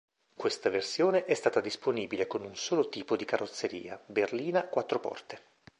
Questa versione è stata disponibile con un solo tipo di carrozzeria, berlina quattro porte.